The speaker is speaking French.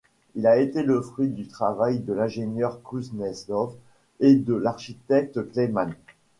Il a été le fruit du travail de l'ingénieur Kouznetsov et de l'architecte Kleïman.